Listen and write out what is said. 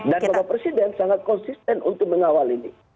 dan bapak presiden sangat konsisten untuk mengawal ini